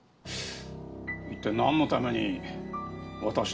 一体なんのために私の行動を？